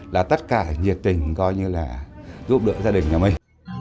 là tất cả nhiệt tình coi như là giúp đỡ gia đình nhà mình